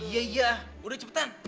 iya iya udah cepetan